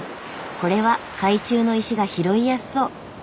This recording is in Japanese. これは海中の石が拾いやすそう。